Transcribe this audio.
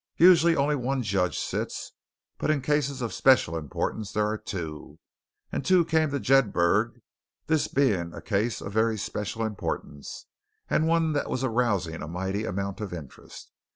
Usually, only one judge sits, but in cases of special importance there are two, and two came to Jedburgh, this being a case of very special importance, and one that was arousing a mighty amount of interest.